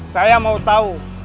saya mau tahu